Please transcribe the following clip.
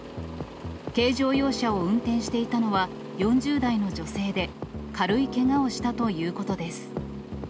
軽乗用車を運転していたのは４０代の女性で、軽いけがをしたということです。